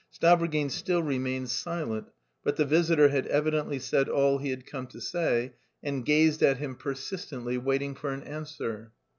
Stavrogin still remained silent, but the visitor had evidently said all he had come to say and gazed at him persistently, waiting for an answer.